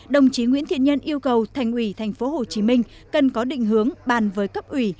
đồng chí nguyễn thiện nhân yêu cầu thành ủy tp hcm cần có định hướng bàn với cấp ủy